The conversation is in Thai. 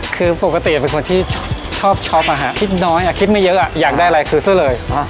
คือปกติเป็นคนที่ชอบช็อปคิดน้อยคิดไม่เยอะอยากได้อะไรคือซะเลย